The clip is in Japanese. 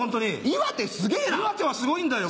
岩手はすごいんだよ。